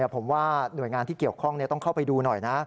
ผมว่าหน่วยงานที่เกี่ยวข้องต้องเข้าไปดูหน่อยนะ